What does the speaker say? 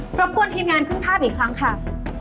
พบกันทีมงานเครื่องภาพอีกครั้งค่ะ